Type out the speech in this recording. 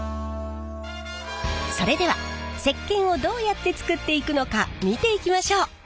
それでは石けんをどうやって作っていくのか見ていきましょう。